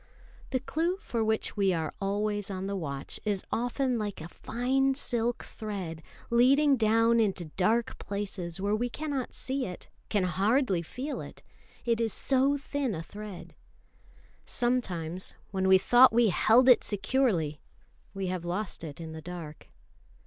The clue for which we are always on the watch is often like a fine silk thread leading down into dark places where we cannot see it, can hardly feel it; it is so thin a thread. Sometimes, when we thought we held it securely, we have lost it in the dark.